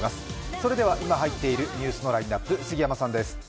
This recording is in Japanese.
それでは今入っているニュースのラインナップ、杉山さんです。